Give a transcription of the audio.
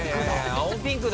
ピンクだ！